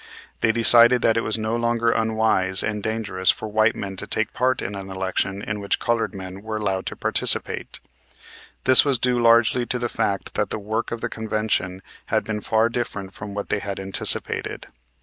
They decided that it was no longer unwise and dangerous for white men to take part in an election in which colored men were allowed to participate. This was due largely to the fact that the work of the convention had been far different from what they had anticipated.